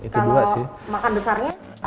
kalau makan besarnya